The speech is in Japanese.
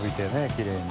きれいに。